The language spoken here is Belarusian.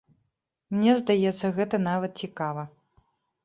Мне здаецца, гэта нават цікава.